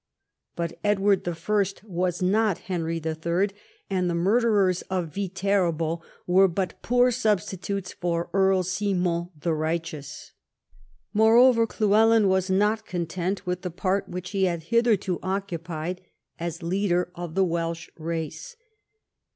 But Edward I. was not Henry III., and the murderers of Viterbo were but poor substitutes for Earl Simon the Eighteous. Moreover, Llywelyn was not content with the part which he had hitherto occupied as leader of the Welsh race.